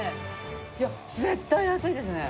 いや絶対安いですね。